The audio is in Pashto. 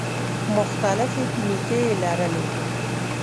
مختلفې کومیټې یې لرلې.